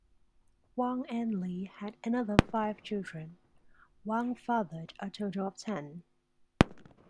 Wang and Lee had another five children; Wang fathered a total of ten.